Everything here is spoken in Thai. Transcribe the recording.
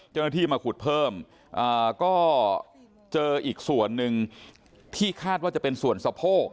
เจ้าหน้าที่มาขุดเพิ่มก็เจออีกส่วนหนึ่งที่คาดว่าจะเป็นส่วนสะโพก